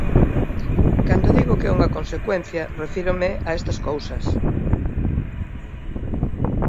Cando digo que é unha consecuencia refírome a estas cousas.